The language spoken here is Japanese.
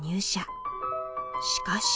しかし。